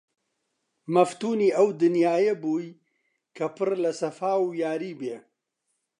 مەفتونی ئەو دنیایە بووی کە پڕ لە سەفا و یاری بێ!